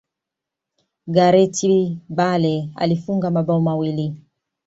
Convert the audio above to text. gareth bale alifunga mabao mawili